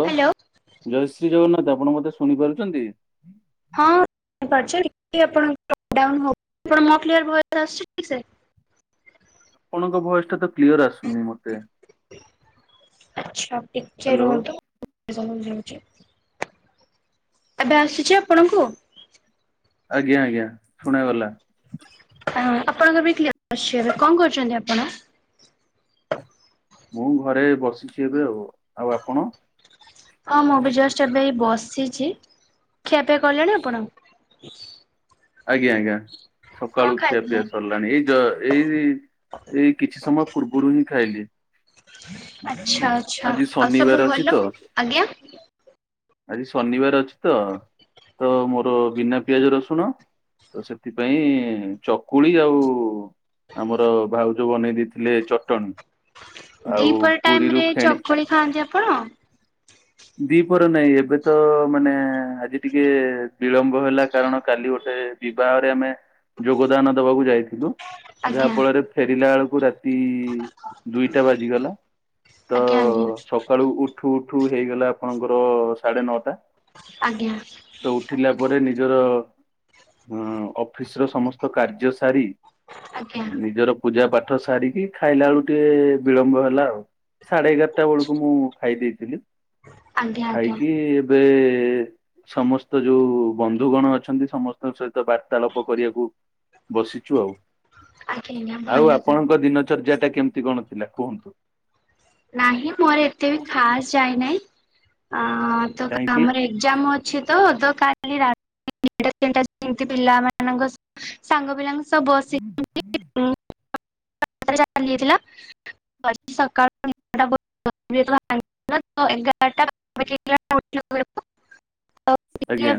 Hello hello ଜୟ ଶ୍ରୀ ଜଗନ୍ନାଥ ଆପଣ ମତେ ଶୁଣିପାରୁଚନ୍ତି? ୋୟସ ଆୁ [unintelligible] ମୋ କ୍ଲିଅ ର ଭଏସ୍ ଆସୁଚି ଠିକ୍ ସେ। ଆପଣଙ୍କ ଭୟସ ଟା ତ କ୍ଲିୟର ଆସୁନି ମତେ। ଆଚ୍ଛା ଟିକେ ହ୍ୟାଲୋ ରୁହନ୍ତୁ। ଏବେ ଆସୁଛି ଆପଣଙ୍କୁ। ଆଜ୍ଞା ଆଜ୍ଞା ଶୁଣାଗଲା। ଆପଣଙ୍କବି କ୍ଲିଅର ଆସୁଚି ଏବେ କଣ କରୁଛନ୍ତି ଆପଣ? ମୁଁ ଘରେ ବସିଛି ଏବେ ଆଉ। ଆଉ ଆପଣ? ହଁ ମୁଁ ବି ଜଷ୍ଟ ଏବେ ଏଇ ବସିଚି ଖିଆପିଆ କଲେଣି ଆପଣ? ଆଜ୍ଞା ଆଜ୍ଞା କଣ ସକାଳୁ ଖିଆ ପିଆ ଖାଇଥିଲେ? ସରିଲାଣି ଏଇ ଯ ଏଇ ଏଇ କିଛି ସମୟ ପୂର୍ବରୁ ହିଁ ଖାଇଲି। ଆଚ୍ଛା ଆଚ୍ଛା ଆଜି ଆଉ ସବୁ ଶନିବାର ଅଛି ଭଲ ତ। ଆଜ୍ଞା ଆଜି ଶନିବାର ଅଛି ତ ତ ମୋର ବିନା ପିଆଜ ରସୁଣ ତ ସେଥିପାଇଁ ଚକୁଳି ଆଉ ଆମର ଭାଉଜ ବନେଇ ଦେଇଥିଲେ ଚଟଣୀ ଦିପରି ଟାଇମ ରେ ଚକୁଳି ଖାଆନ୍ତି ଆପଣ? ଦିପହର ନାଇଁ ଏବେ ତ ମାନେ ଆଜି ଟିକେ ବିଳମ୍ବ ହେଲା କାରଣ କାଲି ଗୋଟେ ବିବାହରେ ଆମେ ଯୋଗଦାନ ଦବାକୁ ଯାଇଥିଲୁ। ଯାହା ଆଜ୍ଞା ଫଳରେ ଫେରିଲା ବେଳକୁ ରାତି ଦୁଇଟା ବାଜିଗଲା ତ ଆଜ୍ଞା ଆଜ୍ଞା ସକାଳୁ ଉଠୁ ଉଠୁ ହେଇଗଲା ଆପଣଙ୍କର ସାଢେ ନଅଟା। ଆଜ୍ଞା ତ ଉଠିଲା ପରେ ନିଜର ହଁ ଅଫିସ ର ସମସ୍ତ କାର୍ଯ୍ୟ ସାରି ଆଜ୍ଞା ଆଜ୍ଞା ନିଜର ପୂଜା ପାଠ ପାଠ ସାରିକି ଖାଇଲା ବେଳୁ ଟିକେ ବିଳମ୍ବ ହେଲା ଆଉ। ସାଢେ ଏଗାରଟା ବେଳକୁ ମୁଁ ଖାଇ ଦେଇେଇଥିଲି ଆଜ୍ଞା ଆଜ୍ଞା ଖାଇକି ଏବେ ସମସ୍ତ ଯୋଉ ବନ୍ଧୁଗଣ ଅଛନ୍ତି ସମସ୍ତଙ୍କ ସହିତ ବାର୍ତ୍ତାଳାପ କରିବାକୁ ବସିଛୁ ଆଉ। ଆଜ୍ଞା ଭଲ ଆଉ ତାହେଲେ ଆପଣଙ୍କ ଦିନଚର୍ଯ୍ୟାଟା କେମିତି କଣ ଥିଲା କୁହନ୍ତୁ। ନାହିଁ ମୋର ଏତେ ବି ଖାସ ଯାାଇନାହିଁ। ଅ ତ କାହିଁକି ଆମର ଏକ୍ଜାମ ଅ ଅଛି ତ କାଲି ରାତି [unintelligible] ପିଲାମାନଙ୍କ ସାଙ୍ଗ ପିଲାଙ୍କ ବସି ଚାଲି [unintelligible] ସକାଳୁ [unintelligible] ଏଗାରଟା [unintelligible] [unintelligible] ଆଜ୍ଞା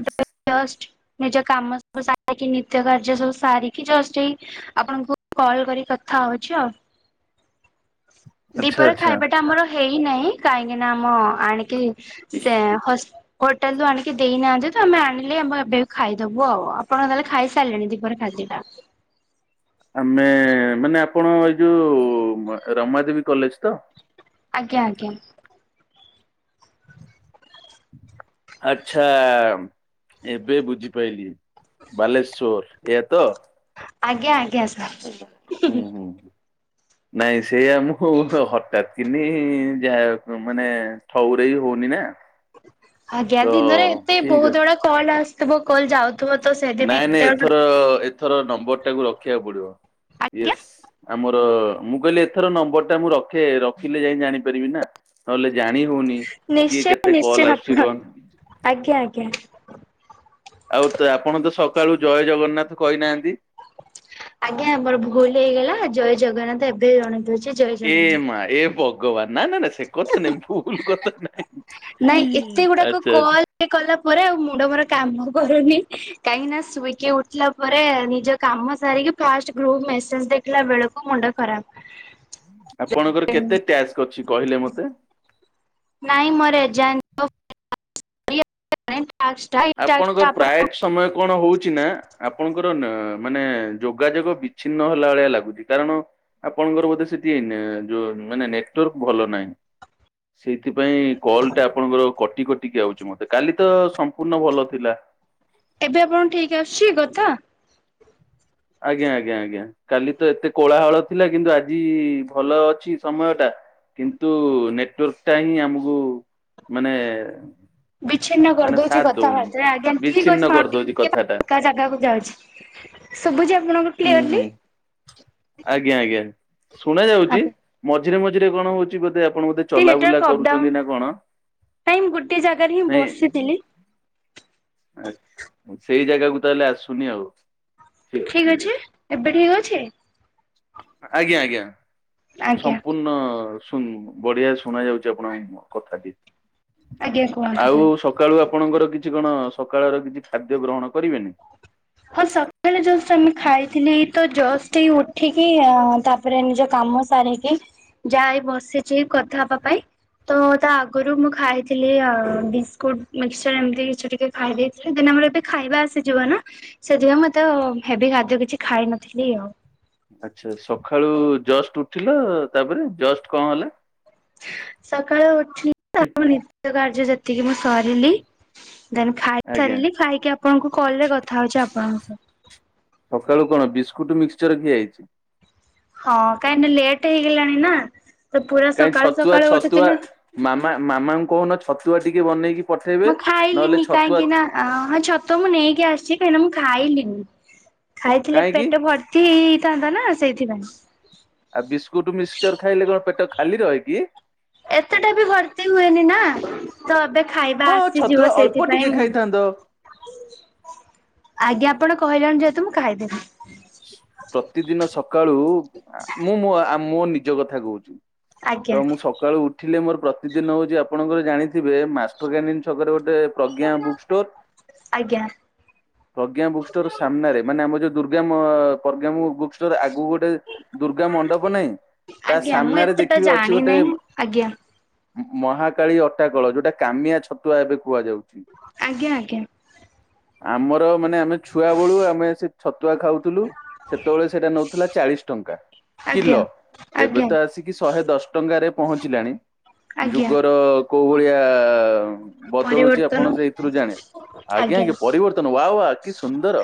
ଦୃଷ୍ଟ ନିଜ କାମ ସବୁ ସାରିକି ନିତ୍ୟ କାର୍ଯ୍ୟ ସବୁ ସାରିକି ଜଷ୍ଟ ହେଇ ଆପଣଙ୍କୁ କଲ କରି କଥା ଖାଉଛି ଆଉ [inaudible] ଆଚ୍ଛା ଦିପହରରେ ଆଚ୍ଛା। ଖାଇବା ଟା ଆମର ହେଇନାହିଁ କାହିଁକି ନା ଆମ ଆଣିକି ସେ ହସ୍ ହୋଟେଲ ରୁ ଆଣିକି ଦେଇନାହାନ୍ତି ତ ଆମେ ଆଣିଲେ ଆମେ ଏବେ ବି ଖାଇଦବୁ ଆପଣଙ୍କ ତାହେଲେ ଖାଇସାରିଲଣି ଦୀପରେ ଖାଇଵ ଦିଟା [inaudible] ଆମେ ମାନେ ଆପଣ ଏଇ ଯୋଉ ରମା ଦେବୀ କଲେଜ ତ ଆଜ୍ଞା ଆଜ୍ଞା ଆଚ୍ଛା ଏବେ ବୁଝିପାରଲିି ବାଲେଶ୍ଵର ଏଆ ତ ଆଜ୍ଞା ଆଜ୍ଞା ସାର୍ ହୁ। ହୁଁ ହୁଁ। ନାଇଁ ସେୟା ମୁଁ ହଠାତ୍ କିିନି ଯାହା ମାନେ ଠଉରେ ହଉ ଉନିନା ଆଜ୍ଞା ଦିନରେ ଏତେ ବହୁତ ଗୁଡା କଲ୍ ଆସିଥିବ କଲ ଯାଉ ନାଇଁ ନାଇଁ ଏଥର ଏଥର ନମ୍ବର ଟାକୁ ରଖିବାକୁ ପଡିବ ଆଜ୍ଞା ୟସ୍ ଆମର ମୁଁ କହିଲି ଏଥର ନମ୍ବର ଟା ମୁଁ ରଖେ ରଖିଲେ ଯାଇକି ଜାଣିପାରିବି ନା ନହେଲେ ଜାଣି ହଉନି କିଏ ନିଶ୍ଚୟ କେତେ ନିଶ୍ଚୟ କଲ୍ ଆସୁଛି ଆପଣ କଣ ଆଜ୍ଞା ଆଜ୍ଞା। ଆଉ ତ ଆପଣ ତ ସକାଳୁ ଜୟ ଜଗନ୍ନାଥ କହିନାହାନ୍ତି ଆଜ୍ଞା ଆମର ଭୁଲ ହେଇଗଲା ଜୟ ଜଗନ୍ନାଥ ଏବେ ଜଣେଇଦଉଚି ଏ ମା ଏ ଭଗବାନ ନା ନା ନା ସେ କଥା ନାଇଁ ଭୁଲ କଥା ନାଇଁ ନାଇଁ ଏତେ ଗୁଡାକ ଆଚ୍ଛା ଆଚ୍ଛା। କଲେ କଲା ପରେ ଆଉ ମୁଣ୍ଡ ମୋର କାମ କରୁନି କାହିଁକି ନା ଶୋଇକି ଉଠିଲା ପରେ ନିଜ କାମ ସାରିକି ଫାଷ୍ଟ ଗ୍ରୁପ୍ ମେସେଜ ଦେଖିଲା ବେଳକୁ ମୁଣ୍ଡ ଖରାପ। ଆପଣଙ୍କର କେତେ ଟ୍ୟାସ୍ ଅଛି କହିଲେ ମତେ। ନାଇଁ ମୋର ଏଜା [unintelligible] ଏଇ ଟାସ୍କ ଆପଣଙ୍କ ଟା ଆପଣ ପ୍ରାୟତ ସମୟ କଣ ହଉଛି ନା ଆପଣଙ୍କର ନ ମାନେ ଯୋଗାଯୋଗ ବିଛିନ୍ନ ହେଲା ଭଳିଆ ଲାଗୁଛି କାରଣ ଆପଣଙ୍କର ବୋଧେ ସେଠି ନ ଯୋଉ ମାନେ ନେଟୱାର୍କ ଭଲ ନାହିଁ। ସେଇଥିପାଇଁ କଲଟା ଆପଣଙ୍କର କଟି କଟିକି ଆଉଛି ମତେ କାଲି ତ ସ ପୂର୍ଣ ଭଲ ଥିଲା। ଏବେ ଆପଣ ଠିକ ଆସୁଛି କଥା ଆଜ୍ଞା ଆଜ୍ଞା ଆଜ୍ଞା କାଲି ତ ଏତେ କୋଳାହଳ ଥିଲା କିନ୍ତୁ ଆଜି ଭଲ ଅଛି ସମୟ ଟା। କିନ୍ତୁ ନେଟୱାର୍କ ଟା ହିଁ ଆମକୁ ମାନେ ବିଛିନ୍ନ ମାନେ କରିଦଉଛି ସାଥ ଦଉନି କଥାବାର୍ତ୍ତାାରେ ଆଜ୍ଞା ଠିକ୍ ବିଚ୍ଛିନ୍ନ ଅଛି ମୁ କରିଦଉଛି ଟିକେ କଥାଟା ପ ଜାଗାକୁ ଯାଉଛି ସବୁଚି ଆପ ହୁଁ ହୁଁ ଆଜ୍ଞା ଆଜ୍ଞା ଶୁଣା ଯାଉଛି ଆଜ୍ଞା ମ ମଝିରେ ମଝିରେ କଣ ହଉଛି ବୋଧେ ଆପଣ ବୋଧେ ଟିକେ ଚଲାବୁଲା ନେଟୱାର୍କ ଅପ୍ ଡାଉନ କରୁଛନ୍ତି ନା କଣ। ନାଇଁ ଗୋଟେ ଜାଗାରେ ହିଁ ନାଇଁ ବସିଥିଲି। ଆ ସେଇ ଜାଗାକୁ ତାହେଲେ ଆସୁନି ଆଉ। ଠିକ ଅଛି ଏବେ ଠିକ ଅଛି। ଆଜ୍ଞା ଆଜ୍ଞା ଆଜ୍ଞା ସମ୍ପୂର୍ଣ୍ଣ ସୁନ ବଢିଆ ଶୁଣା ଯାଉଛି ଆପଣଙ୍କ କଥାଟି। ଆଜ୍ଞା କୁହନ୍ତୁ ଆଉ ତାହେଲେ। ସକାଳୁ ଆପଣଙ୍କର କିଛି କଣ ସକାଳର କିଛି ଖାଦ୍ୟ ଗ୍ରହଣ କରିବେନି। ହଁ ସକାଳେ ଜଷ୍ଟ ଆମେ ଖାଇଥିଲି ଏଇ ତ ଜସ୍ ଏଇ ଉଠିକି ତାପରେ ନିଜ କାମ ସାରିକି ଯା ଏଇ ବସିଚି କଥା ହବା ପାଇଁ। ତ ତା ଆଗରୁ ମୁଁ ଖାଇଥିଲି ଅ ବିସ୍କୁଟ ମିକସଚର ଏମିତି କିଛି ଟିକେ ଖାଇ ଦେଇଥିଲି। ଦେ ଆମର ଏବେ ଖାଇବା ଆସିଯିବ ନା। ସେଥିପାଇଁ ମୁଁ ଏତେ ହେବି ଖାଦ୍ୟ କିଛି ଖାଇନଥିଲି ଆଉ। ଆଚ୍ଛା ସକାଳୁ ଜଷ୍ଟ ଉଠିଲ ତାପରେ ଜଷ୍ଟ କଣ ହେଲା। ସକାଳୁ ଉଠିଲି ତ ନିତ୍ୟ କାର୍ଯ୍ୟ ଯେତିକି ମୁଁ ସରିଲି। ଦେନ୍ ଆଜ୍ଞା ଖାଇସାରିଲି ଖାଇକି ଆପଣଙ୍କୁ କଲ ରେ କଥା ହଉଛି ଆପଣଙ୍କ ସହ। ସକାଳୁ କଣ ବିସ୍କୁଟ ମିକ୍ସଚର ଖିଆହେଇଚି। ହଁ କାହିଁକିନା ଲେଟ ହେଇଗଲାଣି ନା? ତ ପୁରା କାଇଁ ସକାଳୁ ଛତୁଆ ସକାଳୁ ଛତୁଆ ଉଠୁଥିଲେ। ମାମା ମାମାଙ୍କୁ କହୁନ ଛତୁଆ ଟିକେ ବନେଇକି ପଠେଇବେ। ମୁଁ ନହେଲେ ଖାଇଲିନି ଛତୁଆ କାହିଁକି ନା ଛତୁଆ ମୁଁ ନେଇ ଆସିଛି କାହିଁକିନା ମୁଁ ଖାଇଲିନି ଖାଇଥିଲେ କାହିଁକି ପେଟ ଭର୍ତି ହେଇ ଥାନ୍ତା ନା ସେଇଥିପାଇଁ। ଆଉ ବିସ୍କୁଟ ମିକ୍ସଚର ଖାଇଲେ କଣ ପେଟ ଖାଲି ରହେ କି? ଏତେଟା ବି ଭର୍ତ୍ତି ହୁଏନି ନା ତ ଏବେ ଖାଇବା ହଁ ଛତୁଆ ଆସିଯିବ ଅଳ୍ପ ସେଇଥିପାଇଁ ଟିକେ ମୁଁ ଖାଇଥାନ୍ତ। ଆଜ୍ଞା ଆପଣ କହିଲଣି ଯେହେତୁ ମୁଁ ଖାଇଦେବି। ପ୍ରତିଦିନ ସକାଳୁ ମୁଁ ମୋ ଆ ନିଜ କଥା କହୁଛି। ଆଜ୍ଞା। ତ ମୁଁ ସକାଳୁ ଉଠିଲି ମୋର ପ୍ରତିଦିନ ହଉଛି ଆପଣଙ୍କର ଜାଣିଥିବେ ମାଷ୍ଟରକାନିନ୍ ଛକରେ ଗୋଟେ ପ୍ରଜ୍ଞା ବୁକ୍ ଷ୍ଟୋର ଆଜ୍ଞା ପ୍ରଜ୍ଞା ବୁକ୍ ଷ୍ଟୋର ସାମ୍ନାରେ ମାନେ ଆମ ଯୋଉ ଦୁର୍ ଠି ଆମ ପ୍ରଜ୍ଞାମ ବୁକ ଆଗକୁ ଗୋଟେ ଦୁର୍ଗା ମଣ୍ଡପ ନାହିଁ। ତା ଆଜ୍ଞା ମୁଁ ସାମ୍ନାରେ ଏତେଟା ଦେଖିବେ ଅଛି ଗୋଟେ ଜାଣିନାହିଁ ଆଜ୍ଞା। ମହାକାଳୀ ଅଟାକଳ ଯୋଉଟା କାମିଆ ଛତୁଆ ଏବେ କୁହାଯାଉ ଆଜ୍ଞା ଆଜ୍ଞା। ଆମର ମାନେ ଆମେ ଛୁଆ ବେଳୁ ଆମେ ସେ ତୁଆ ଖାଉଥିଲୁ ସେତେବେଳେ ସେଇଟା ନେଉଥିଲା ଚାଳିଶ ଟଙ୍କା। କିଲ ଆଜ୍ଞା ଏବେ ଆଜ୍ଞା ତ ଆସିକି ଶହେ ଦଶ ଟଙ୍କାରେ ପହଞ୍ଚିଲାଣି ଆଜ୍ଞା ଯୁଗର କୋଉ ଭଳିଆ ବଦଳୁଛି ପରିବର୍ତ୍ତନ ଆପଣ ସେଇଥିରୁ ଜାଣେ। ଆଜ୍ଞା ଆଜ୍ଞା ପରିବର୍ତ୍ତନ ୱା ୱା କି ସୁନ୍ଦର।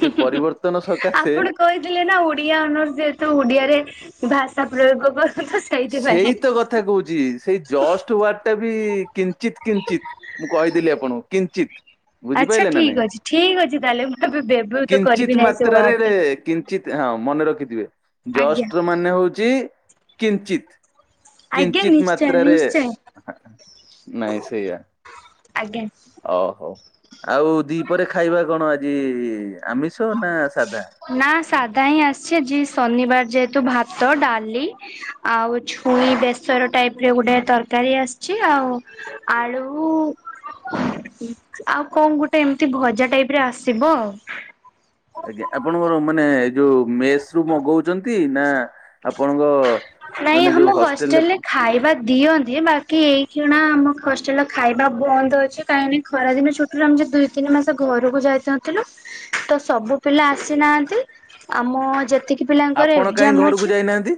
ସେ ପରିବର୍ତ୍ତନ ସକାଶେ ଆପଣ କହିଥିଲେ ନା ଓଡିଆ ଅନର୍ସ ଯେହେତୁ ଓଡିଆରେ ଭାଷା ପ୍ରୟୋଗ କର। ସେଇ ତ କଥା କହୁଛି ସେଇ ଜଷ୍ଟ ୱାର୍ଡ ଟା ବି କିଞ୍ଚିତ କିଞ୍ଚିତ ମୁଁ କହିଦେଲି ଆପଣଙ୍କୁ କିଞ୍ଚିତ ଆଚ୍ଛା ବୁଝିପାଇଲେ ନା ଠିକ ନାଇଁ। ଅଛି ଠିକ ଅଛି ତାହେଲେ ମୁଁ ଏବେ ବ୍ୟବହୃତ କରିବି କିଞ୍ଚିତ ନାହିଁ ସେ ୱାର୍ଡ ମାତ୍ରାରେ ଟି। କିଞ୍ଚିତ ହଁ ମନେ ର ଖିଥିବେ ଆଜ୍ଞା ଜଷ୍ଟର ମାନେ ହଉଛି କିଞ୍ଚିତ। ଆଜ୍ଞା କିଞ୍ଚିତ ନିଶ୍ଚୟ ମାତ୍ରାରେ ନିଶ୍ଚୟ ନାଇଁ ସେଇୟା। ଆଜ୍ଞା। ଓ ହୋଉ ଆଉ ଦିପରେ ଖାଇବା କଣ ଆଜି। ଆମିଷ ନା ସାଧା? ନା ସାଧା ହିଁ ଆସିଚି। ଯି ଶନିବାର ଯେହେତୁ ଭାତ ଡାଲି ଆଉ ଛୁଇଁ ବେସର ଟାଇପ ରେ ଗୋଟେ ତର ତରକାରୀ ଆସିଚି ଆଉ ଆଳୁ ଆଉ କଣ ଗୋଟେ ଏମିତି ଭଜା ଟାଇପ ରେ ଆସିବ ଆଉ। ଆଜ୍ଞା ଆପଣଙ୍କର ମାନେ ଏ ଯୋଉ ମେସ ରୁ ମଗଉଛନ୍ତି। ନା ଆପଣଙ୍କ ନାଇଁ ମାନେ ଯୋଉ ଆମ ହଷ୍ଟେଲରେ ଖାଇବା ଦିଅନ୍ତି। ବାକି ଏଇ କ୍ଷଣା ଆମ ହଷ୍ଟେଲ ଖାଇବା ବନ୍ଦ ଅଛି। କାହିଁକି ଖରା ଦିନଛୁଟିରୁ ଆମେ ଦୁଇ ତିନି ମାସ ଘରକୁ ଯା ନଥିଲୁ ତସବୁ ପିଲା ଆସିନାହାନ୍ତି। ଆମ ଯେତିକ ପିଲାଙ୍କର ଆପଣ କାହିଁ ଏକଜାମ ଘରକୁ ଅଛି। ଯାଇନାହାନ୍ତି?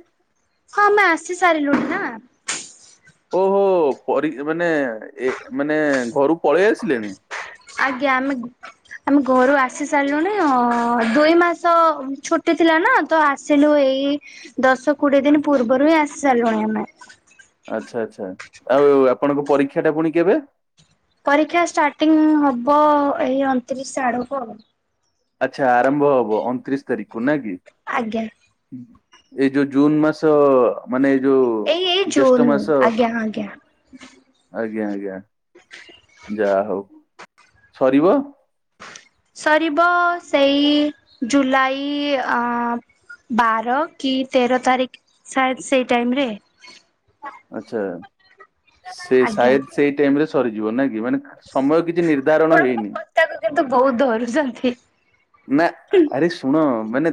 ହଁ ଆମେ ଆସି ସାରିଲୁଣି ନା? ଓହୋ ପରି ମାନେ ଏ ମାନେ ଘରୁ ପଳେଇ ଆସିଲେଣି? ଆଜ୍ଞା ଆମେ ଗ ଆମେ ଘରୁ ଆସି ସାରିଲୁଣି ଅ ଦୁଇ ମାସ ଛୁଟି ଥିଲା ନା ତ ଆସିଲୁ ଏ ଏଇ ଦଶ କୋଡିଏ ଦିନ ପୂର୍ବରୁ ହିଁ ଆସି ସାରଲିଲୁଣି ଆମେ। ଆଚ୍ଛା ଆଚ୍ଛା ଆଉ ଆପଣଙ୍କ ପରୀକ୍ଷା ଟା ପୁଣି କେବେ? ପରୀକ୍ଷା ଷ୍ଟାର୍ଟିଂ ହବ ଏଇ ଅଣତିରିଶ ଆଡକୁ ଆଉ ଆଚ୍ଛା ଆରମ୍ଭ ହବ ଅଣତିରିଶ ତାରିଖକୁ ନା କି। ଆଜ୍ଞା। ଏଇ ଯୋଉ ଜୁନ୍ ମାସ ମାନେ ଏଇ ଯୋଉ ଏଇ ଏଇ ଜେଷ୍ଠ ଜୁନ୍ ମାସ [inaudible] ଆ ଆଜ୍ଞା ଆଜ୍ଞା। ଆଜ୍ଞା ଆଜ୍ଞା [inaudible] ଯାହା ହଉ ସରିବ। ସରିବ ସେଇ ଜୁଲାଇ ଆ ଅଁ ବାର କି ତେର ତାରିଖ ସାଏ ସେଇ ଟାଇମରେ। [inaudible] ଆଚ୍ଛା [inaudible] ସେ ଆଜ୍ଞା। ସାଇଦ ସେଇ ଟାଇମ ରେ ସରିଯିବ ନାଇ ମାନେ ସମୟ କିଛି ନିର୍ଦ୍ଧାରଣ ଆପଣ ମୋ ହେଇନି। କଥାକୁ କିନ୍ତୁ ବହୁତ [inaudible] ଧରୁଛନ୍ତି। [inaudible] ନା ଆରେ ଶୁଣ ମାନେ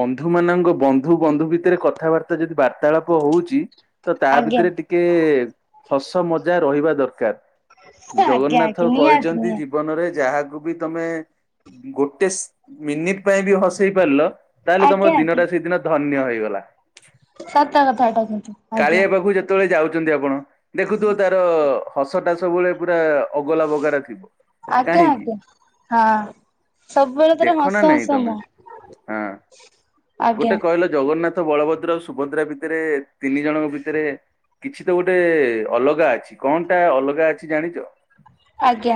ବନ୍ଧୁ ମାନଙ୍କ ବନ୍ଧୁ ବନ୍ଧୁ ଭିତରେ କଥାବାର୍ତ୍ତା ଯଦି ବାର୍ତାଳାପ ହଉଛି। ତ ତା ଆଜ୍ଞା ଭିତରେ ଟିକେ ହସ ମଜା ରହିବା ଦରକାର। ଆଜ୍ଞା ଆଜ୍ଞା ଜଗନ୍ନାଥ ନିହାତି କହିଛନ୍ତି ନିହାତି ଜୀବନରେ ଯାହା ଆରୁ ବି ତମେ ଗୋଟେ ମିନିଟ ପାଇଁ ବି ହସେଇ ପାରିଲ। ତାହେଲେ ତମ ଆଜ୍ଞା ଆଜ୍ଞା। ଦିନଟା ସେଦିନ ଧନ୍ୟ ହେଇଗଲା। ସତ କଥାଟା କି କାଳିଆ ପାଖକୁ ଯେତେବେଳେ ଯାଉଛନ୍ତି ଆପଣ ଦେଖୁଥିବ ତାର ହସଟା ସବୁବେଳେ ପୁରା ଅଗଲା ବଗାର ଥିବ। ଆଜ୍ଞା କାହିଁକି ଆଜ୍ଞା ହଁ ସବୁବେଳେ ତାର ଦେଖ ନା ହସ ନାଇଁ ହସ ତମେ ମୁହଁ। ହଁ [inaudible] ଆଜ୍ଞା ଗୋଟେ କହିଲ ଜଗନ୍ନାଥ ବଳଭଦ୍ରଉ ସୁଭଦ୍ରା ଭିତରେ ତିନି ଜଣଙ୍କ ଭିତରେ କିଛି ତ ଗୋଟେ ଅଲଗା ଅଛି କଣ ଟା ଅଲଗା ଅଛି ଜାଣିଛ। ଆଜ୍ଞା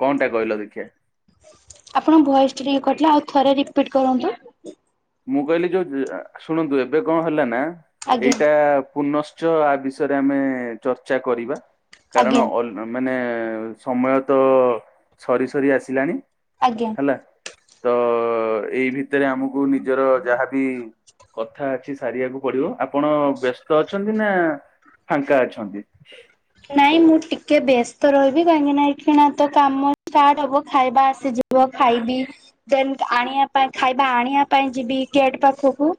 କଣଟା କହିଲ ଦେଖିଆ? [inaudible] ଆପଣ ଭଏସ ଟା ଟିକେ କଟିଲା ଆଉ ଥରେ ରିପିଟ କରନ୍ତୁ। ମୁଁ କହିଲି ଯୋଉ ଶୁଣନ୍ତୁ ଏବେ କଣ ହେଲା ନା ଆଜ୍ଞା ଏଇଟା ପୁନଶ୍ଚ ଆ ବିଷୟରେ ଆମେ ଚର୍ଚ୍ଚା କରିବା କାରଣ ଆଜ୍ଞା ଅ ମାନେ ଏଁ ସମୟ ତ ସରି ସରି ଆସିଲାଣି। ଆଜ୍ଞା। ହେଲା ତ ଏଇ ଭିତରେ ଆମକୁ ନିଜର ଯାହାବି କଥା ଅଛି ସାରିବାକୁ ପଡିବ ଆପଣ ବ୍ୟସ୍ତ ଅଛନ୍ତି ନା ଫାଙ୍କା ଅଛନ୍ତି। ନାଇଁ ମୁଁ ଟିକେ ବ୍ୟସ୍ତ ରହିବି କାହିଁକି ନା ଏହି ଖେଣାତ କାମ ଷ୍ଟାଟ୍ ହବ ଖାଇବା ଆସିଯି ଯ ଖାଇବି ଦେନ୍ ଆଣିବା ପାଇଁ ଖାଇବା ଆଣିବା ପାଇଁ ଯିବି ଗେଟ ପାଖକୁ।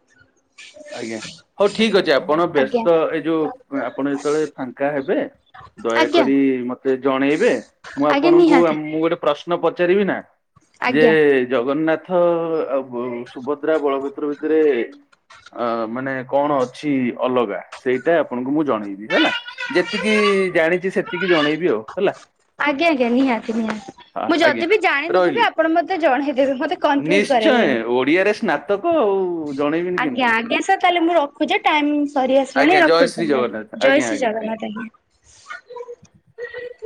ଆଜ୍ଞା ହଉ ଠିକ ଅଛି ଆପଣ ଆଜ୍ଞା ବ୍ୟସ୍ତ ଏଇ ଯୋଉ ଆପଣ ଯେତେବେଳେ ଫାଙ୍କା ହେବେ ଆଜ୍ଞା ଦୟାକରି ମତେ ଜଣେଇବେ ମୁଁ ଆଜ୍ଞା ଆପଣଙ୍କୁ ନିହାତି ମୁଁ ଗୋଟେ ପ୍ରଶ୍ନ ପଚାରିବି ନା? ଯେ ଆଜ୍ଞା ଜଗନ୍ନାଥ ଆଉ ସୁଭଦ୍ରା ବଳଭଦ୍ର ଭିତରେ ଅ ମାନେ କଣ ଅଛି ଅଲଗା ସେଇଟା ଆପଣଙ୍କୁ ମୁଁ ଜଣେଇବି ହେଲା ଯେତିକି ଜାଣିଛି ସେତିକି ଜଣେଇବି ଆଉ ହେଲା ଆଜ୍ଞା ଆଜ୍ଞା ନିହାତି ନିହାତି ହଁ ମୁଁ ଆଜ୍ଞା ଯଦି ବି ରହିଲି। ଜାଣିନଥିବି ଆପଣ ମତେ ଜଣେଇଦେବେ ମତେ କନଫ୍ୟୁଜ କରାଇବେନି। ନିଶ୍ଚୟ ଓଡିଆରେ ସ୍ନାତକ ଆଉ ଜଣେଇବିନି ଆଜ୍ଞା କେମିତି। ଆଜ୍ଞା ସାର୍ ତାହେଲେ ମୁଁ ରଖୁଛି ଟାଇମ ସରି ଆସିଲାଣି ଆଜ୍ଞା ଜୟ ରଖୁଛି ଶ୍ରୀ ତାହାଲେ ଜଗନ୍ନାଥ ଆଜ୍ଞା ଜୟ ଶ୍ରୀ ଆଜ୍ଞା ଆଜ୍ଞା। ଜଗନ୍ନାଥ ଆଜ୍ଞା। [inaudible]